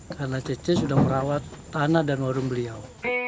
karena cece sudah merawat tanah dan warung beliau